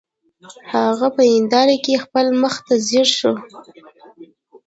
هغه په هنداره کې خپل مخ ته ځیر شو